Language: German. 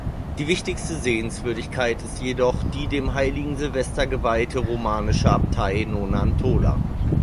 Die wichtigste Sehenswürdigkeit ist jedoch die dem heiligen Silvester geweihte romanische Abtei Nonantola.